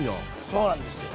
そうなんですよ。